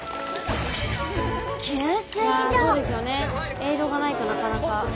エイドがないとなかなか。